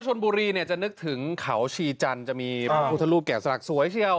ชนบุรีเนี่ยจะนึกถึงเขาชีจันทร์จะมีพระพุทธรูปแก่สลักสวยเชียว